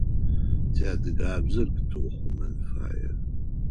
Ти адыгабзэр къэтыухъумэн фае